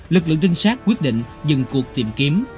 lực lượng trinh sát quyết định dừng cuộc tìm kiếm